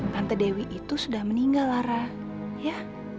tante dewi itu sudah meninggal lara ya